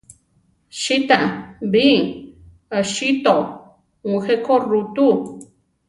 Sitá bi aʼsíto mujé ko ru tú.